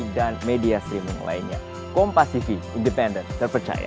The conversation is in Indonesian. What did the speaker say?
jumat tiga lima enam tujuh delapan sepuluh